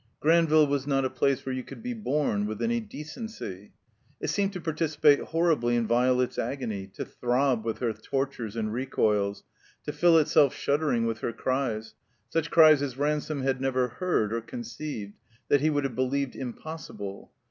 Granville was not a place where you could be bom with any decency. It seemed to participate horribly in Violet's agony, to throb with her tortures and recoils, to fill itself shuddering with her cries, such cries as Ransome had never heard or conceived, that he would have believed impossible.